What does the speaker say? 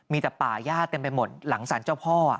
มีแต่ป่าย่าเต็มไปหมดหลังสารเจ้าพ่อ